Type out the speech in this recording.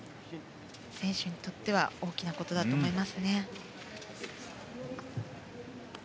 選手にとっては大きなことだと思いますね。